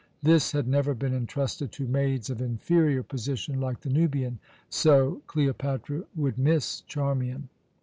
This had never been entrusted to maids of inferior position like the Nubian; so Cleopatra would miss Charmian.